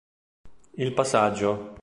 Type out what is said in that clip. Il passaggio